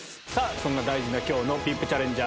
そんな大事な今日のＶＩＰチャレンジャー